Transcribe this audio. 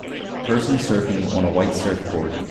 Person surfing on a white surfboard